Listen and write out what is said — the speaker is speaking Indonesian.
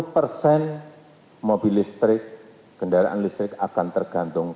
dua puluh persen mobil listrik kendaraan listrik akan tergantung